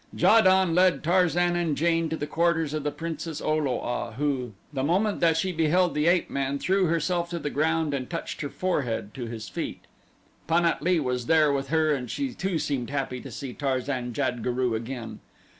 Ja don led Tarzan and Jane to the quarters of the Princess O lo a who, the moment that she beheld the ape man, threw herself to the ground and touched her forehead to his feet. Pan at lee was there with her and she too seemed happy to see Tarzan jad guru again.